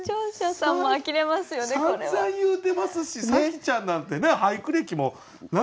さんざん言うてますし紗季ちゃんなんて俳句歴も長いじゃないですか！